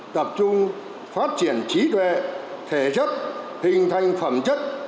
tập trung phát triển trí tuệ thể chất hình thành phẩm chất